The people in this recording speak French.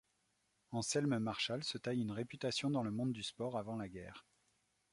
Anselme Marchal se taille une réputation dans le monde du sport avant la guerre.